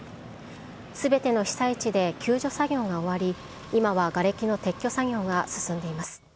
すべての被災地で救助作業が終わり、今はがれきの撤去作業が進んでいます。